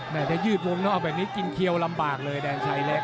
ถ้ายืดวงแล้วเอาแบบนี้กินเขียวลำบากเลยแดนชายเล็ก